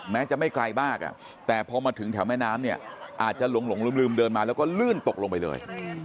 แม้จะไม่ไกลมากแต่พอมาถึงแถวแม่น้ำเนี่ยอาจจะหลงลืมเดินมาแล้วก็ลื่นตกลงไปเลย